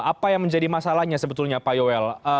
apa yang menjadi masalahnya sebetulnya pak yowel